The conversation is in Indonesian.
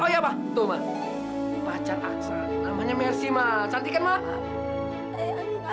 oh iya pak tuh ma pacar aksan namanya mercy ma cantik kan ma